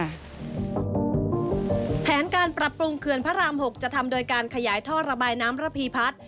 แผนการปรับปรุงเขื่อนพระราม๖จะทำโดยการขยายท่อระบายน้ำระพีพัฒน์